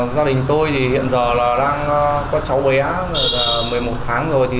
gia đình tôi hiện giờ đang có cháu bé một mươi một tháng rồi